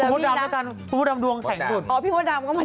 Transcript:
พี่พ่อดำด้วยกันพี่พ่อดำดวงแข็งหุ่น